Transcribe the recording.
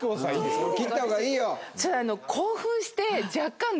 切った方がいいよ。